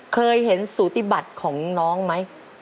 เคยเห็นสูติบัติของน้องไหม